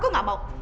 aku gak mau